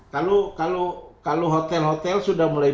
kalau hotel hotel sudah mulai